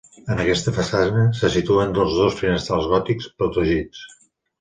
En aquesta façana se situen els dos finestrals gòtics protegits.